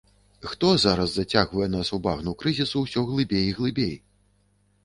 Хто зараз зацягвае нас у багну крызісу ўсё глыбей і глыбей?